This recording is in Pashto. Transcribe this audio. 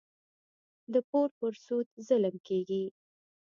د پور پر سود ظلم کېږي.